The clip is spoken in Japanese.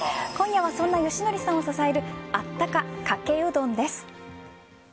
今夜はそんな良則さんを支えるあったかかけうどんです。